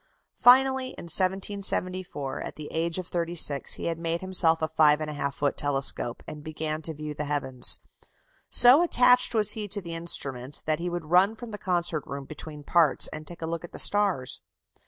Finally, in 1774, at the age of thirty six, he had made himself a 5 1/2 foot telescope, and began to view the heavens. So attached was he to the instrument that he would run from the concert room between the parts, and take a look at the stars.